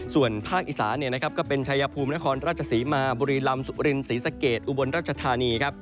ส่วนภาคอีสานก็เป็นชายภูมินครราชศรีมาบุรีลำสุรินศรีสะเกดอุบลรัชธานี